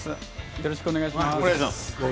よろしくお願いします。